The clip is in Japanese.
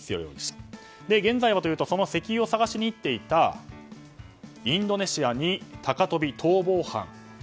現在はその石油を探しに行っていたインドネシアに高飛び、逃亡犯。